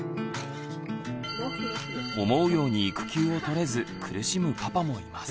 思うように育休をとれず苦しむパパもいます。